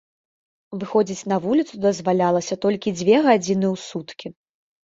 Выходзіць на вуліцу дазвалялася толькі дзве гадзіны ў суткі.